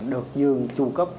được dương tru cấp